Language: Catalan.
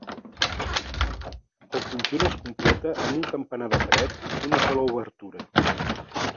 El conjunt es completa amb un campanar de paret d'una sola obertura.